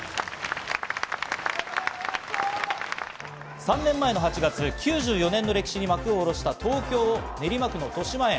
３年前の８月、９４年の歴史に幕を下ろした東京・練馬区のとしまえん。